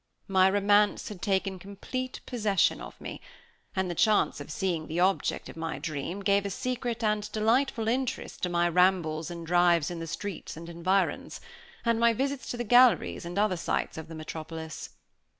My romance had taken complete possession of me; and the chance of seeing the object of my dream gave a secret and delightful interest to my rambles and drives in the streets and environs, and my visits to the galleries and other sights of the metropolis.